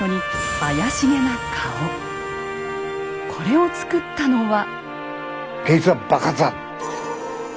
これをつくったのは。